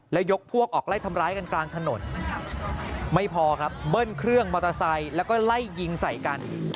แล้วยกพวกออกไล่ทำร้ายกันกลางถนนไม่พอครับเบิ้ลเครื่องมอเตอร์ไซค์แล้วก็ไล่ยิงใส่กัน